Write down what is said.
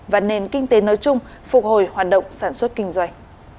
và nền kinh tế nói chung phục hồi hoạt động sản xuất kinh doanh